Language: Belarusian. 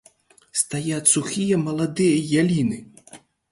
Стаяць сухія маладыя яліны!